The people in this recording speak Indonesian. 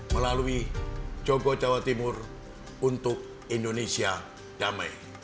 melalui jogo jawa timur untuk indonesia damai